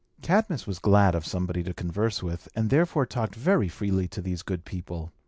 Cadmus was glad of somebody to converse with, and therefore talked very freely to these good people.